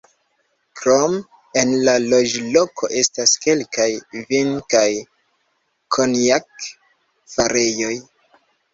Krome, en la loĝloko estas kelkaj vin- kaj konjak-farejoj.